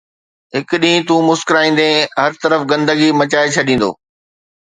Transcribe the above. هڪ ڏينهن تون مسڪرائيندين، هر طرف گندگي مچائي ڇڏيندو